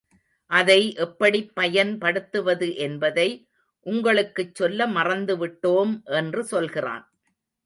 அதை எப்படிப் பயன்படுத்துவது என்பதை உங்களுக்குச் சொல்ல மறந்து விட்டோம் என்று சொல்கிறான்.